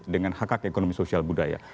dengan hak hak ekonomi sosial budaya